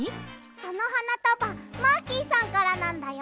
そのはなたばマーキーさんからなんだよ。